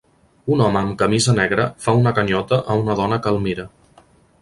Un home amb camisa negra fa una ganyota a una dona que el mira.